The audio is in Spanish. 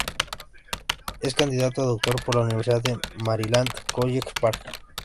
Es candidato a doctor por la Universidad de Maryland, College Park.